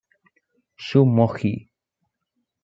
Shu Mogi